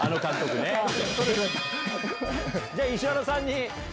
じゃあ石原さん！